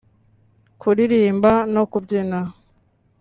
kuririmba no kubyina